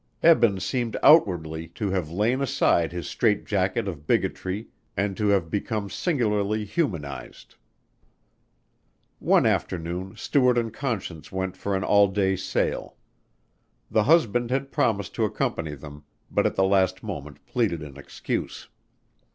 Eben seemed outwardly to have lain aside his strait jacket of bigotry and to have become singularly humanized. One afternoon Stuart and Conscience went for an all day sail. The husband had promised to accompany them, but at the last moment pleaded an excuse.